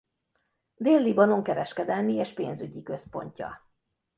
Dél-Libanon kereskedelmi és pénzügyi központja.